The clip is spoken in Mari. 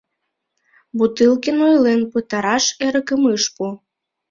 Бутылкин ойлен пытараш эрыкым ыш пу.